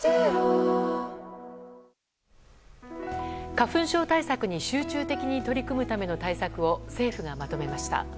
花粉症対策に集中的に取り組むための対策を政府がまとめました。